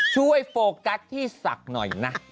ช่วยโฟกัสที่สักหน่อยนะ